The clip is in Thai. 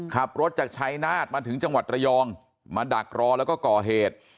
ขับรถจากชายนาฏมาถึงจังหวัดระยองมาดักรอแล้วก็ก่อเหตุ